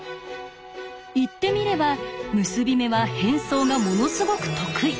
言ってみれば結び目は変装がものすごく得意。